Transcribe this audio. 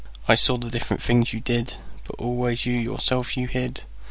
I saw the different things you did, But always you yourself you hid.